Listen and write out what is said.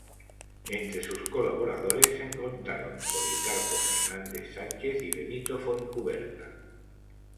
Entre sus colaboradores se contaron Policarpo Fernández Sánchez y Benito Fontcuberta.